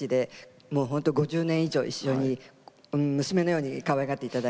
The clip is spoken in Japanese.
もうほんと５０年以上一緒に娘のようにかわいがって頂いてて。